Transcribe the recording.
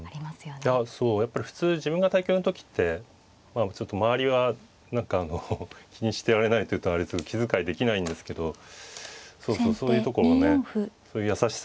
そうやっぱり普通自分が対局の時って周りは何かあの気にしてられないと言うとあれですけど気遣いできないんですけどそうそうそういうとこもねそういう優しさもありますよね。